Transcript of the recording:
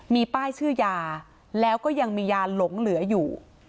มีป้ายชื่อยาแล้วก็ยังมียาหลงเหลืออยู่